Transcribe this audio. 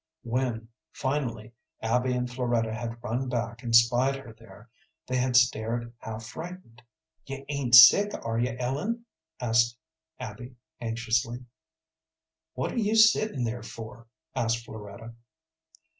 When, finally, Abby and Floretta had run back, and spied her there, they had stared half frightened. "You ain't sick, are you, Ellen?" asked Abby, anxiously. "What are you sitting there for?" asked Floretta.